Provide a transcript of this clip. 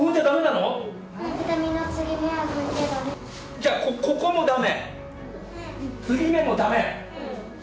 じゃあここもだめ？